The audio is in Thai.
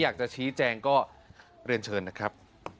อยากจะชี้แจงก็เรียนเชิญนะครับ